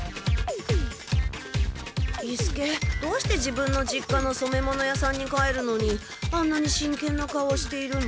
伊助どうして自分の実家のそめ物屋さんに帰るのにあんなに真剣な顔をしているの？